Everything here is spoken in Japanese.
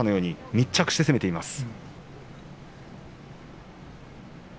密着して攻めています。